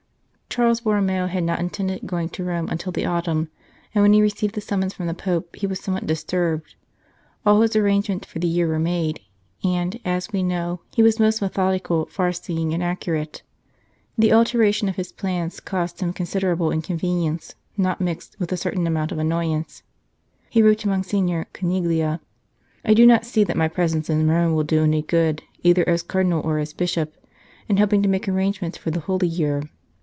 Charles Borromeo had not intended going to Rome until the autumn, and when he received the summons from the Pope he was somewhat dis turbed. All his arrangements for the year were made, and, as we know, he was most methodical, far seeing, and accurate. The alteration of his plans caused him considerable inconvenience, not unmixed with a certain amount of annoyance. 125 St. Charles Borromeo He wrote to Monsignor Carniglia :" I do not see that my presence in Rome will do any good, either as Cardinal or as Bishop, in helping to make arrangements for the Holy Year.